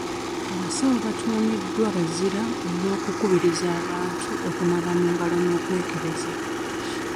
Abasawo batuumiddwa abazira olw'okukubiriza abantu okunaaba mu ngalo n'okwekebeza.